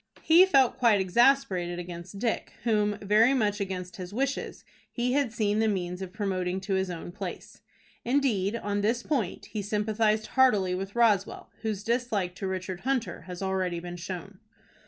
He felt quite exasperated against Dick, whom, very much against his wishes, he had seen the means of promoting to his own place. Indeed, on this point, he sympathized heartily with Roswell, whose dislike to Richard Hunter has already been shown.